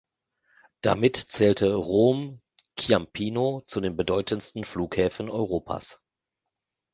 Damit zählte Rom-Ciampino zu den bedeutendsten Flughäfen Europas.